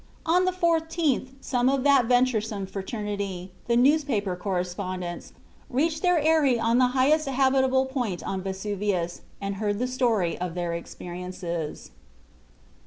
On the 14th some of that venturesome fraternity, the newspaper correspondents, reached their eyrie on the highest habitable point on Vesuvius and heard the story of their experiences.